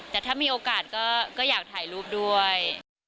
แต่ถ้ามีโอกาสก็อยากถ่ายรูปด้วย